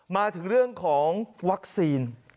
มาถึงเรื่องของวัคซีน